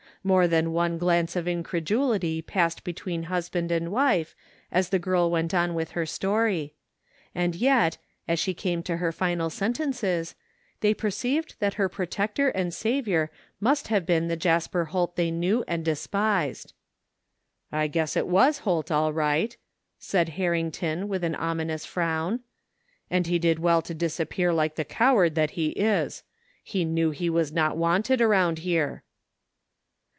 More than one glance of incredulity passed between husband and wife as the girl went on with her story; and yet, as she came to her final sentences, they per ceived that her protector and savior must have been the Jasper Holt they knew and despised. " I guess it was Holt all right !said Harrington, with an ominous frown, " and he did well to disappear like the coward that he is^ He knew he was not wanted around here